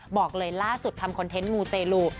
บอกเลยล่าสุดทำคอนเทนต์มูเตลู